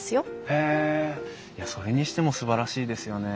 へえいやそれにしてもすばらしいですよね。